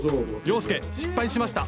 洋輔失敗しました！